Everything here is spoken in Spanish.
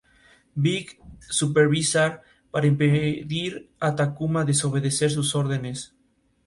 Ha ganado fama en Francia, Israel, Islandia y Países Bajos, entre otros países.